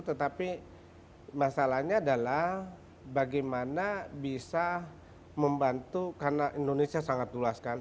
tetapi masalahnya adalah bagaimana bisa membantu karena indonesia sangat luas kan